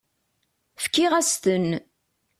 Fkiɣ-as-ten.